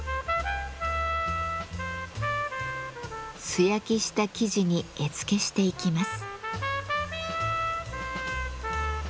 素焼きした素地に絵付けしていきます。